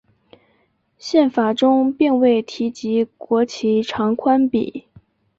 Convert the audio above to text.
宪法中并未提及国旗长宽比。